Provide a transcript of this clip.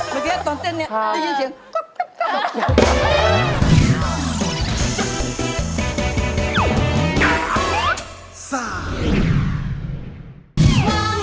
เมื่อกี้ตอนเต้นเนี่ยได้ยินเสียงก๊อบ